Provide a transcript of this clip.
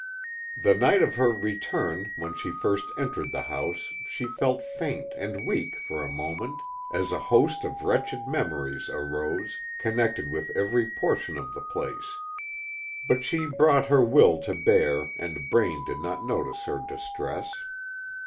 The night of her return when she first entered the house she felt faint and weak for a moment, as a host of wretched memories arose, connected with every portion of the place. But she brought her will to bear, and Braine did not notice her distress.